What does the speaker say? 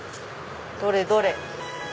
どれどれ？